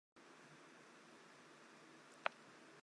圣贡德朗人口变化图示